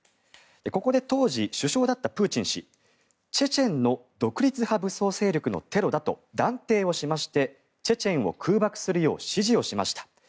ここで当時、首相だったプーチン氏チェチェンの独立派武装勢力のテロだと断定しましてチェチェンを空爆するよう指示をしました。